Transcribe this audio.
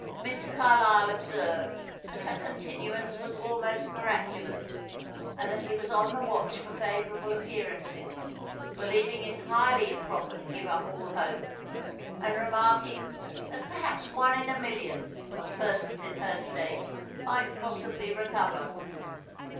Mr. Carlisle observed that her continuance was almost miraculous, and he was on the watch for favourable appearances, believing it highly improper to give up all hope, and remarking, that perhaps one in a million, of persons in her state might possibly recover.